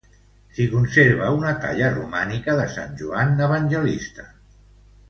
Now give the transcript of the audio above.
S'hi conserva una talla romànica de sant Joan Evangelista.